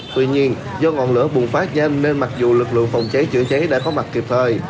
tuy nhiên do ngọn lửa bùng phát nhanh nên mặc dù lực lượng phòng cháy chữa cháy đã có mặt kịp thời